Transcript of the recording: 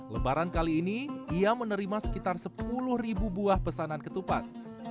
lebaran kali ini ia menerima sekitar sepuluh ribu buah pesanan ketupat